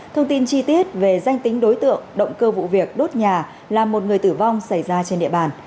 thông tin chi tiết về danh tính đối tượng động cơ vụ việc đốt nhà làm một người tử vong xảy ra trên địa bàn